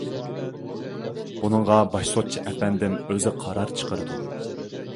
بۇنىڭغا باش سوتچى ئەپەندىم ئۆزى قارار چىقىرىدۇ.